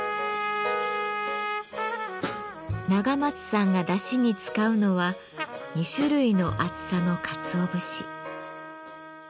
永松さんがだしに使うのは２種類の厚さのかつお節。